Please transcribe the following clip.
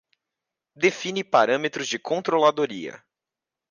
Define parâmetros de controladoria